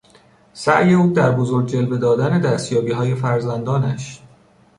سعی او در بزرگ جلوه دادن دستیابیهای فرزندانش